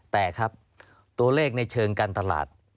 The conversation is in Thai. แต่ครับตัวเลขในเชิงการตลาด